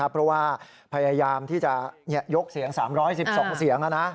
เพราะว่าพยายามที่จะยกเสียง๓๑๒เสียง